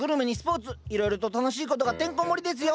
いろいろと楽しいことがてんこ盛りですよ。